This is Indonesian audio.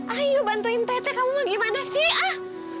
ayo bantuin tete kamu mau gimana sih